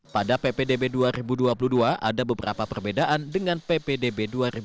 pada ppdb dua ribu dua puluh dua ada beberapa perbedaan dengan ppdb dua ribu dua puluh